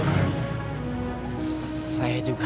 gimana caranya biar bisa maju kang kus